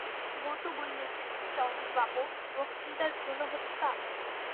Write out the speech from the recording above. বটু বললে, ছী ছী অতীনবাবু, বক্তৃতার ভ্রূণহত্যা?